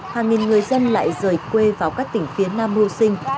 hàng nghìn người dân lại rời quê vào các tỉnh phía nam mưu sinh